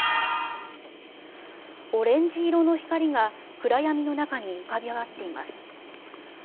オレンジ色の光が暗闇の中に浮かび上がっています。